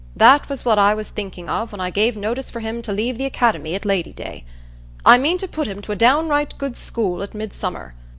That was what I was thinking of when I gave notice for him to leave the academy at Lady day. I mean to put him to a downright good school at Midsummer.